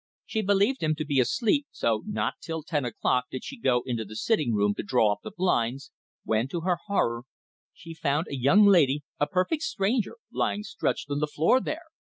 She believed him to be asleep, so not till ten o'clock did she go into the sitting room to draw up the blinds, when, to her horror, she found a young lady, a perfect stranger, lying stretched on the floor there!